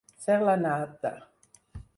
Ser la nata.